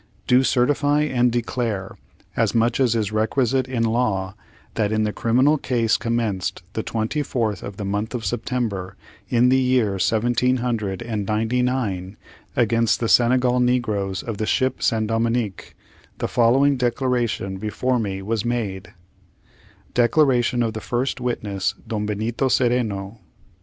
Do certify and declare, as much as is requisite in law, that, in the criminal cause commenced the twenty fourth of the month of September, in the year seventeen hundred and ninety nine, against the negroes of the ship San Dominick, the following declaration before me was made: Declaration of the first witness, DON BENITO CERENO.